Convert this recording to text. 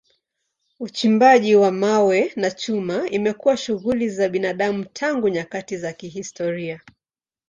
Uchimbaji wa mawe na chuma imekuwa shughuli za binadamu tangu nyakati za kihistoria.